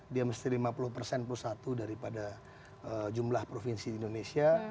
dia mesti lima puluh persen plus satu daripada jumlah provinsi di indonesia